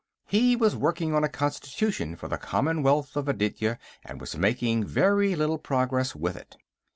He was working on a constitution for the Commonwealth of Aditya, and was making very little progress with it.